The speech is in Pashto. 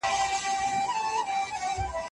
بتاکاروتن په بدن کې بدلېږي.